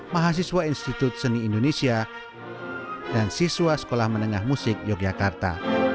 mahasiswa institut seni indonesia dan siswa sekolah menengah musik yogyakarta